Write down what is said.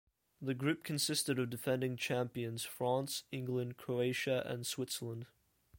The group consisted of defending champions France, England, Croatia and Switzerland.